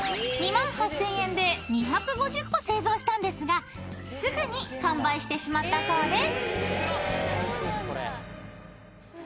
［２５０個製造したんですがすぐに完売してしまったそうです］